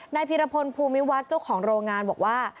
พีรพลภูมิวัฒน์เจ้าของโรงงานบอกว่า